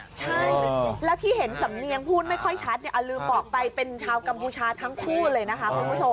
ใช่แล้วที่เห็นสำเนียงพูดไม่ค่อยชัดเนี่ยอ่ะลืมบอกไปเป็นชาวกรรมผู้ชาติทั้งคู่เลยนะคะ